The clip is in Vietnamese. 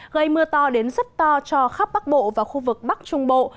gây mưa to đến rất to cho khắp bắc bộ và khu vực bắc trung bộ